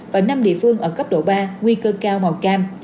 và năm địa phương ở cấp độ ba nguy cơ cao màu cam